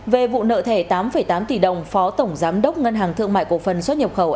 về vụ nợ thẻ tám tám tỷ đồng phó tổng giám đốc ngân hàng thương mại cổ phần xuất nhập khẩu